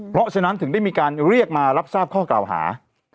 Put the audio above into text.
เพราะฉะนั้นถึงได้มีการเรียกมารับทราบข้อกล่าวหา